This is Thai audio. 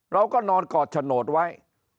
เราก็นอนกอดโฉนดไว้